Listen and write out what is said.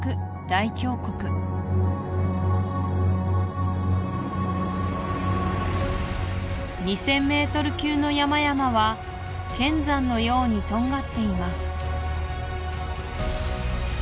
大峡谷２０００ｍ級の山々は剣山のようにとんがっています